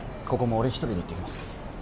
ここも俺一人で行ってきます